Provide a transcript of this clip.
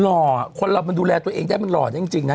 หล่อคนเรามันดูแลตัวเองได้มันหล่อได้จริงนะ